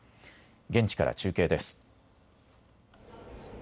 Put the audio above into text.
現地から中継です。